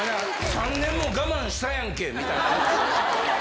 ３年も我慢したやんけみたいな。